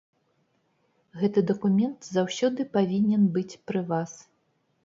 Гэты дакумент заўсёды павінен быць пры вас.